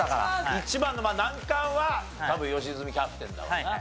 一番の難関は多分良純キャプテンだろうな。